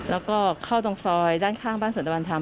แล้วก็เข้าตรงซอยด้านข้างบ้านสันตะวันธรรม